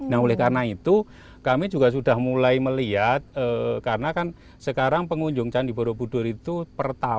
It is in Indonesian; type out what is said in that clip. nah oleh karena itu kami juga sudah mulai melihat karena kan sekarang pengunjung candi borobudur itu hanya lima ratus dua puluh tiga